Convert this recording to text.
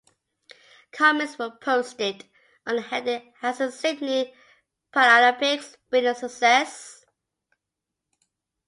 Comments were posted under the heading Has the Sydney Paralympics been a success?